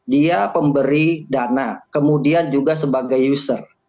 dia pemberi dana kemudian juga sebagai user